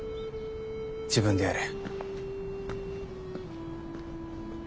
自分でやれ。